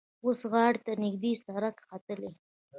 اوس غار ته نږدې سړک ختلی.